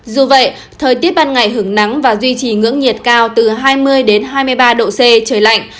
dù vậy thời tiết ban ngày hưởng nắng và duy trì ngưỡng nhiệt cao từ hai mươi hai mươi ba độ c trời lạnh